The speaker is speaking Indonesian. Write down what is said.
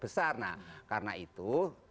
nah karena itu ke depan ini sepanjang itu terjadi